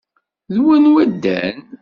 D wanwa ddan?